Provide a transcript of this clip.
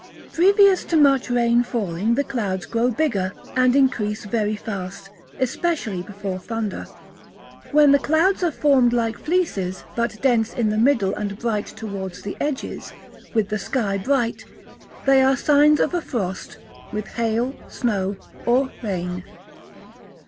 Previous to much rain falling, the clouds grow bigger, and increase very fast, especially before thunder. When the clouds are formed like fleeces, but dense in the middle and bright towards the edges, with the sky bright, they are signs of a frost, with hail, snow, or rain.